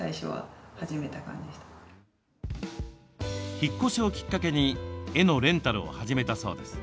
引っ越しをきっかけに絵のレンタルを始めたそうです。